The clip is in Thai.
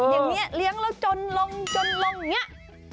อย่างนี้เลี้ยงแล้วจนลงจนลงเนี่ย